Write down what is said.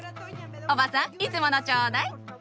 おばさんいつものちょうだい！